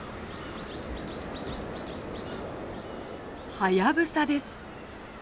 ハヤブサです。